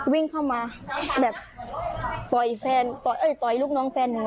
วิ่งเข้ามาแบบปล่อยแฟนปล่อยเอ้ยปล่อยลูกน้องแฟนหนู